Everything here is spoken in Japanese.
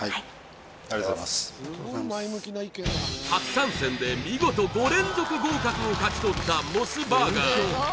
ありがとうございます初参戦で見事５連続合格を勝ち取ったモスバーガー